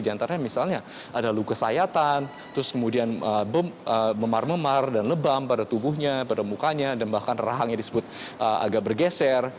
di antaranya misalnya ada luka sayatan terus kemudian memar memar dan lebam pada tubuhnya pada mukanya dan bahkan rahangnya disebut agak bergeser